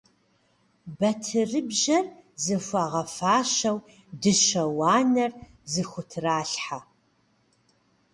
Батырыбжьэр зыхуагъэфащэу, дыщэ уанэр зыхутралъхьэ.